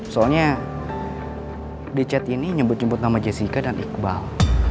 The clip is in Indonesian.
soalnya richard ini nyebut nyebut nama jessica dan iqbal